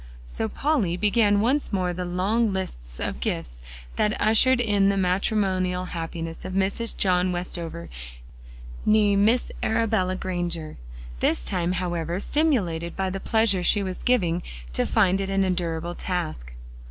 So Polly began once more the long lists of gifts that ushered in the matrimonial happiness of Mrs. John Westover nee Miss Arabella Granger; this time, however, stimulated by the pleasure she was giving, to find it an endurable task.